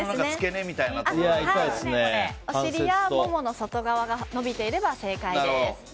お尻やももの外側が伸びていれば正解です。